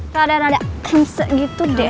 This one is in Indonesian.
rada rada angsek gitu deh